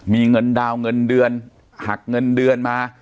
มีเงินดาวนเงินเดือนหักเงินเดือนมา